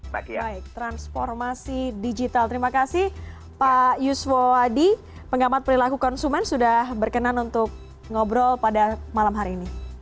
baik transformasi digital terima kasih pak yuswo adi pengamat perilaku konsumen sudah berkenan untuk ngobrol pada malam hari ini